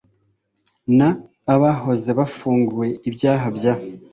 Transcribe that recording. n abahoze bafungiye ibyaha bya